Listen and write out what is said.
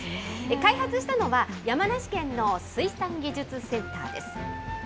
開発したのは、山梨県の水産技術センターです。